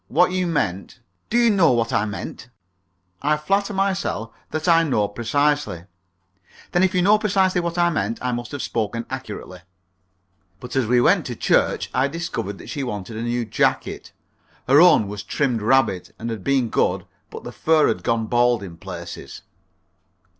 What you meant " "Do you know what I meant?" "I flatter myself that I know precisely " "Then if you know precisely what I meant, I must have spoken accurately." But as we went to church I discovered that she wanted a new jacket. Her own was trimmed rabbit, and had been good, but the fur had gone bald in places.